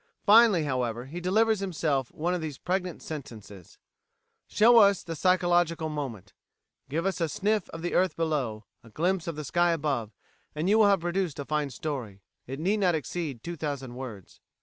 Finally, however, he delivers himself of these pregnant sentences: "Show us the psychological moment; give us a sniff of the earth below; a glimpse of the sky above; and you will have produced a fine story. It need not exceed two thousand words."